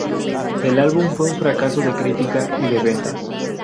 El álbum fue un fracaso de crítica y de ventas.